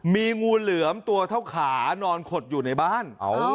มีงูเหลือมตัวเท่าขานอนขดอยู่ในบ้าน